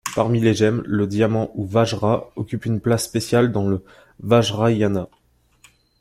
Parmi les gemmes, le diamant ou vajra occupe une place spéciale dans le vajrayāna.